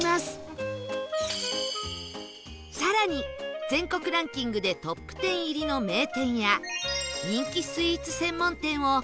更に全国ランキングでトップ１０入りの名店や人気スイーツ専門店をはしごしちゃいましょう